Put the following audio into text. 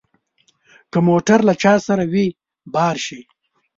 که موټر له چا سره وي بار شي.